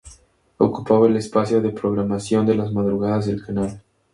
Ocupaba el espacio de programación de las madrugadas del canal.